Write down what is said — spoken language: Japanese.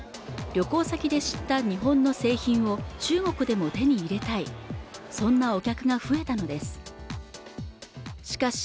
旅行先で知った日本の製品を中国でも手に入れたいそんなお客が増えたのですしかし